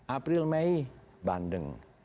april mei bandeng